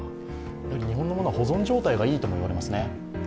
日本のものは保存状態がいいとも言われますね。